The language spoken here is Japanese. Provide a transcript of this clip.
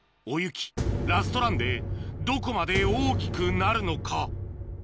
おゆきラストランでどこまで大きくなるのか？